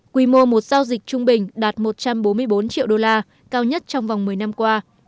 quy mô một giao dịch trung bình đạt một trăm bốn mươi bốn triệu đô la cao nhất trong vòng một mươi năm qua